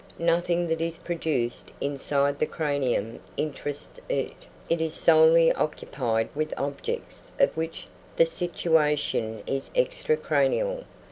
Nothing that is produced inside the cranium interests it; it is solely occupied with objects of which the situation is extra cranial.